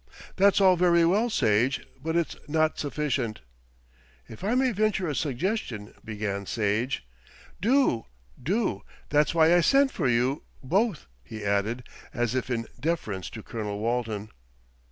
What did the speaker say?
"That's all very well, Sage, but it's not sufficient." "If I may venture a suggestion " began Sage. "Do do, that's why I sent for you both," he added, as if in deference to Colonel Walton.